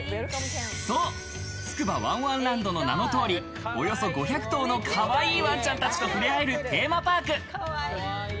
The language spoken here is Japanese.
そう、つくばわんわんランドの名前通り、およそ５００頭のかわいいワンちゃんたちと触れ合えるテーマパーク。